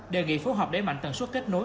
đề nghị phối hợp đẩy mạnh tần suất kết nối